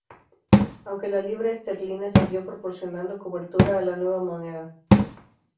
Aunque la libra esterlina siguió proporcionando cobertura a la nueva moneda.